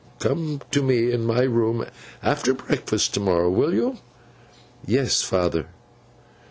Come to me in my room after breakfast to morrow, will you?' 'Yes, father.